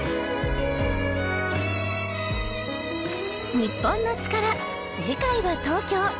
『日本のチカラ』次回は東京。